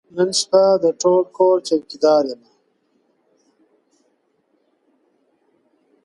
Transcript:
نن شپه د ټول كور چوكيداره يمه.